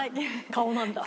顔なんだ。